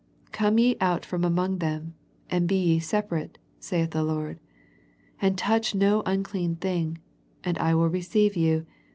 " Come ye out from among them, and be ye separate, saith the Lord And touch no unclean thing; And I will receive you.